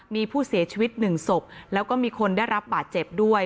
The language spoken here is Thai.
มีผู้เสียชีวิตหนึ่งศพแล้วก็มีคนได้รับบาดเจ็บด้วย